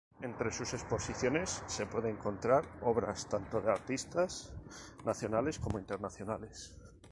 Entre sus exposiciones se pueden encontrar obras tanto de artistas nacionales como internacionales.